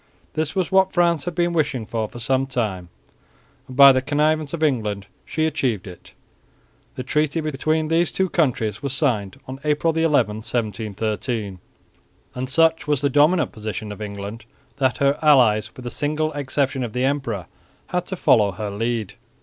This was what France had been wishing for some time and, by the connivance of England, she achieved it. The treaty between these two countries was signed on April 11, 1713; and such was the dominant position of England that her allies, with the single exception of the emperor, had to follow her lead.